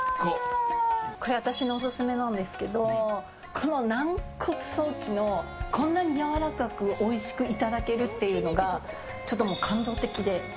これは私のオススメなんですけどこの軟骨ソーキのこんなにやわらかくおいしくいただけるっていうのがちょっと感動的で。